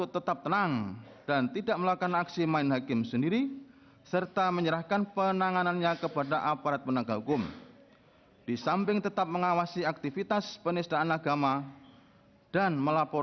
kepulauan seribu kepulauan seribu